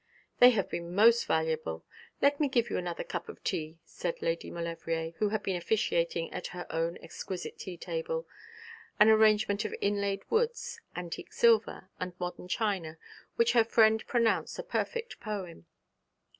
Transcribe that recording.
'They have been most valuable. Let me give you another cup of tea,' said Lady Maulevrier, who had been officiating at her own exquisite tea table, an arrangement of inlaid woods, antique silver, and modern china, which her friend pronounced a perfect poem.